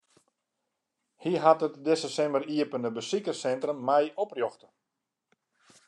Hy hat it dizze simmer iepene besikerssintrum mei oprjochte.